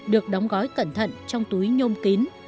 được đóng gói cẩn thận trong túi nhôm kín